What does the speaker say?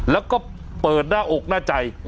แล้วก็เปิดหน้าอกหน้าใจ